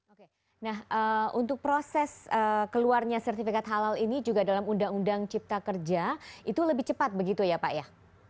oke nah untuk proses keluarnya sertifikat halal ini juga dalam undang undang cipta kerja itu lebih cepat begitu ya pak ya